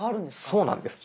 そうなんです。